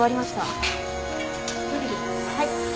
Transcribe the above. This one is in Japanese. はい。